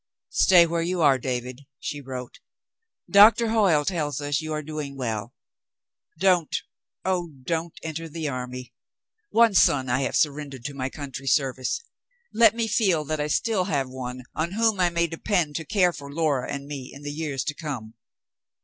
"Stay where you are, David," she wrote; "Doctor Hoyle tells us you are doing well. Don't, oh, don't enter the army ! One son I have surrendered to my country's service; let me feel that I still have one on whom I may depend to care for Laura and me in the years to come.